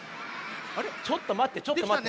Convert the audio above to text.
ちょっとまってちょっとまって。